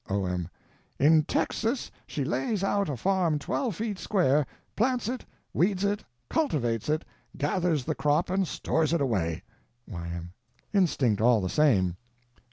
O.M. In Texas she lays out a farm twelve feet square, plants it, weeds it, cultivates it, gathers the crop and stores it away. Y.M. Instinct, all the same.